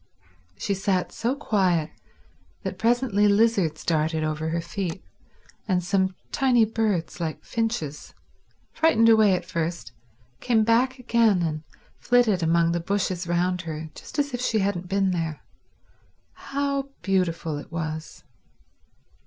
She sat so quiet that presently lizards darted over her feet, and some tiny birds like finches, frightened away at first, came back again and flitted among the bushes round her just as if she hadn't been there. How beautiful it was.